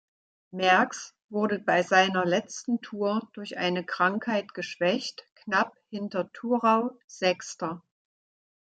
Merckx wurde bei seiner letzten Tour durch eine Krankheit geschwächt knapp hinter Thurau Sechster.